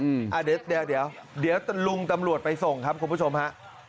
เดี๋ยวเดี๋ยวลุงตำรวจไปส่งครับคุณผู้ชมฮะ